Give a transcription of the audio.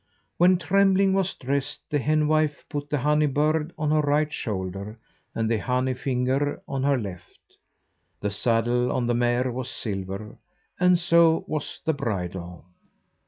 When Trembling was dressed, the henwife put the honey bird on her right shoulder and the honey finger on her left. The saddle on the mare was silver, and so was the bridle.